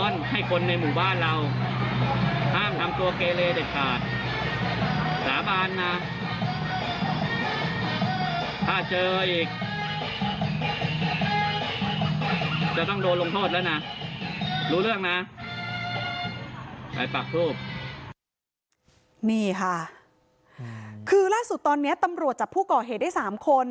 นี่ค่ะคือล่าสุดตอนนี้ตำรวจจับผู้ก่อเหตุได้๓คน